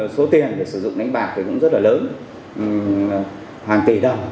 số tiền để sử dụng đánh bạc thì cũng rất là lớn hàng tỷ đồng